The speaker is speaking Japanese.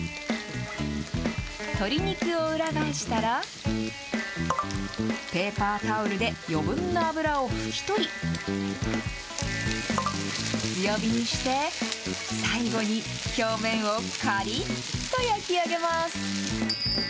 鶏肉を裏返したら、ペーパータオルで余分な油を拭き取り、強火にして、最後に表面をかりっと焼き上げます。